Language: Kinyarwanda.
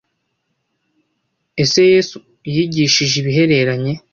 ese yesu yigishije ibihereranye